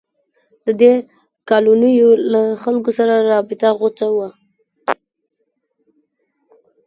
د دې کالونیو له خلکو سره رابطه غوڅه وه.